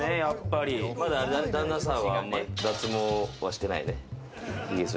旦那さんは、あんまり脱毛はしてないね。